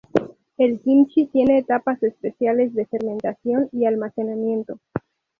El Kimchi tiene etapas especiales de fermentación y almacenamiento.